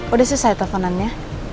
udah selesai telfonannya